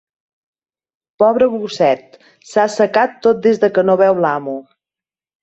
Pobre gosset, s'ha assecat tot des que no veu l'amo.